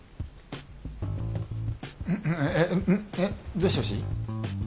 どうしてほしい？